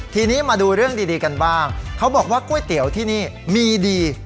ทีนี้มาดูเรื่องดีกันบ้างเขาบอกว่าก๋วยเตี๋ยวที่นี่มีดี